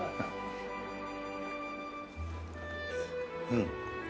うん。